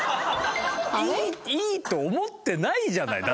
「いい」って思ってないじゃないだ